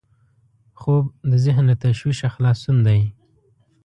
خوب د ذهن له تشویشه خلاصون دی